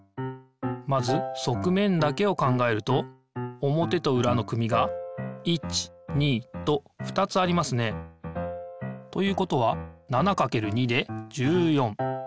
まずそくめんだけを考えると表と裏の組が１２と２つありますね。ということは７×２で１４。